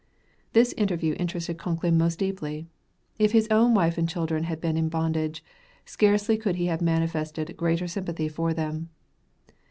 This interview interested Concklin most deeply. If his own wife and children had been in bondage, scarcely could he have manifested greater sympathy for them.